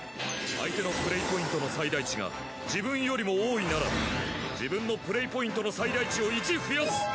相手のプレイポイントの最大値が自分よりも多いなら自分のプレイポイントの最大値を１増やす。